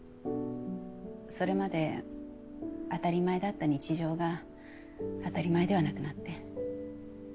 それまで当たり前だった日常が当たり前ではなくなって。